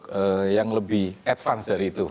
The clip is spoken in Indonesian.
lebih berpikir untuk yang lebih advance dari itu